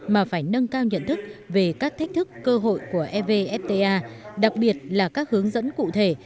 mà phải nâng cao nhận thức về các thách thức cơ hội của evfta đặc biệt là các hướng dẫn cụ thể